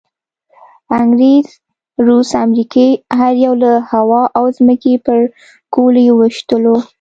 انګریز، روس، امریکې هر یوه له هوا او ځمکې په ګولیو وویشتلو.